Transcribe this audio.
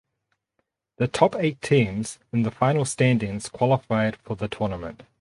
The top eight teams in the final standings qualified for the tournament.